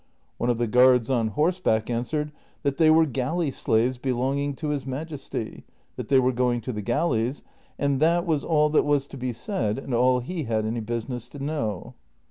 One of the guards on horseback answered that they were galley slaves belonging to his majesty, that they were going to the galleys, and that was all that was to be said and all he had any business to know.